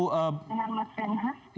dengan mas renha